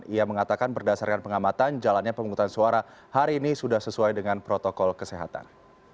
ia mengatakan berdasarkan pengamatan jalannya pemungutan suara hari ini sudah sesuai dengan protokol kesehatan